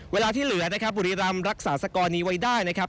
เวลาที่เหลือนะครับบุรีรำรักษาสกรนี้ไว้ได้นะครับ